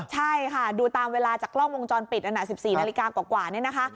ใช่ค่ะดูตามเวลาจากกล้องวงจรปิดนั่นน่ะ๑๔นาฬิกากว่านี่นะคะ